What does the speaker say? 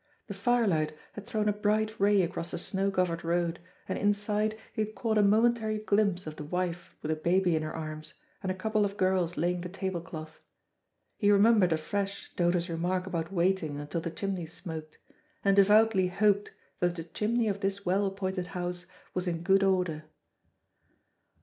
The firelight had thrown a bright ray across the snow covered road, and inside he had caught a momentary glimpse of the wife with a baby in her arms, and a couple of girls laying the table cloth. He remembered afresh Dodo's remark about waiting until the chimney smoked, and devoutly hoped that the chimney of this well appointed house was in good order.